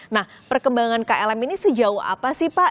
nah perkembangan klm ini sejauh apa sih pak